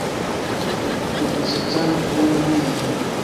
Kugusetsa no kubona umwenyura